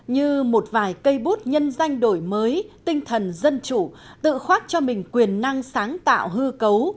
như một vài cây bút nhân danh đổi mới tinh thần dân chủ tự khoát cho mình quyền năng sáng tạo hư cấu